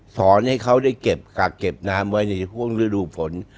สอนให้เขาได้เก็บกักเก็บน้ำไว้ในห่วงฤดูฝน